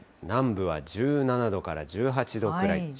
南部は１７度から１８度くらい。